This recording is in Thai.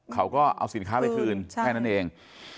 เขาก็เอาสินค้าไปคืนแค่นั้นเอง